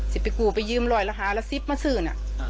จะไปยืมรอยราฮาแล้วซิบมาซื่น